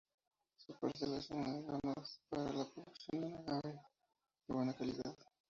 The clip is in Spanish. Sus parcelas son adecuadas para la producción de un agave de buena calidad.